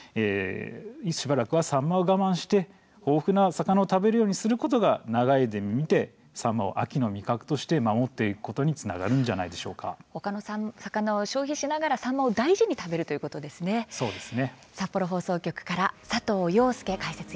しばらくはサンマを我慢して豊富な魚を食べるようにすることが長い目で見てサンマを秋の味覚として守っていくことにほかの魚を消費しながらサンマを大事に食べるということですね。